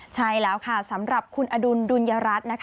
ใช่แล้วค่ะสำหรับคุณอดุลดุลยรัฐนะคะ